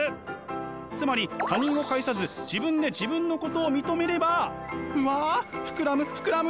つまり他人を介さず自分で自分のことを認めればうわ膨らむ膨らむ！